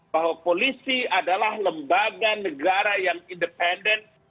bahwa polisi adalah lembaga negara yang independen